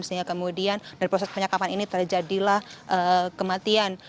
sehingga kemudian dari proses penyekapan ini terjadilah kematian